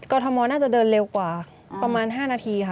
ทมน่าจะเดินเร็วกว่าประมาณ๕นาทีค่ะ